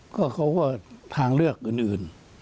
ก็เขาก็ทางเลือกอื่น